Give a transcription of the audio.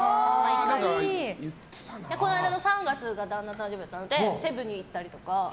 この間の３月が旦那の誕生日だったのでセブに行ったりとか。